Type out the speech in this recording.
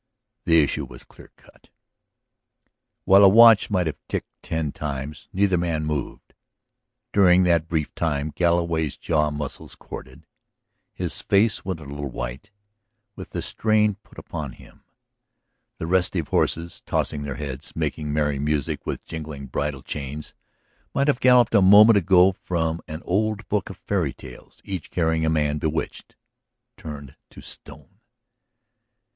The issue was clear cut. While a watch might have ticked ten times neither man moved. During that brief time Galloway's jaw muscles corded, his face went a little white with the strain put upon him. The restive horses, tossing their heads, making merry music with jingling bridle chains, might have galloped a moment ago from an old book of fairy tales, each carrying a man bewitched, turned to stone.